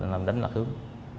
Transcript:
làm đánh lạc hướng